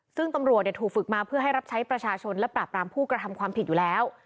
ซึ่งตำรวจถูกฝึกมาเพื่อให้รับใช้ประชาชนและปราบรามผู้กระทำความผิดอยู่แล้ว